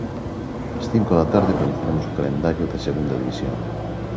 Ás cinco da tarde coñeceremos o calendario de Segunda División.